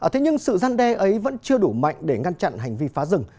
thế nhưng sự gian đe ấy vẫn chưa đủ mạnh để ngăn chặn hành vi phá rừng